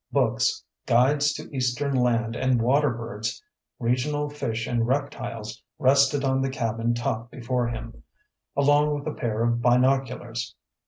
Books, guides to eastern land and water birds, regional fish and reptiles, rested on the cabin top before him, along with a pair of binoculars.